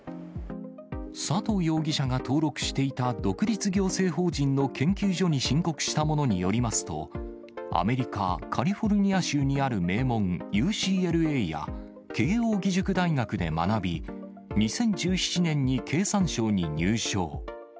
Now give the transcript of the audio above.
佐藤容疑者が登録していた、独立行政法人の研究所に申告したものによりますと、アメリカ・カリフォルニア州にある名門、ＵＣＬＡや、慶應義塾大学で学び、２０１７年に経産省に入省。